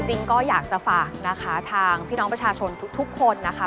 จริงก็อยากจะฝากนะคะทางพี่น้องประชาชนทุกคนนะคะ